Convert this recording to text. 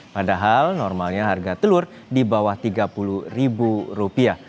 padahal normalnya harga telur di bawah tiga puluh ribu rupiah